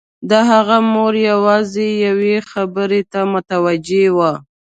د هغه مور يوازې يوې خبرې ته متوجه وه.